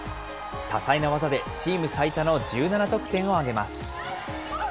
多彩な技でチーム最多の１７得点を挙げます。